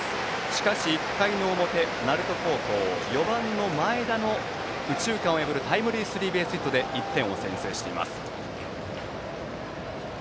しかし１回の表、鳴門高校４番の前田の右中間を破るタイムリースリーベースヒットで１点を先制しています。